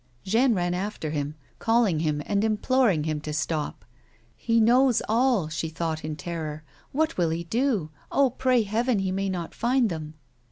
Jeanne ran after him, calling him and imploring him to stop. "He knows all!" she thought, in terror. "What will he do ? Oh, pray Heaven he may not find them."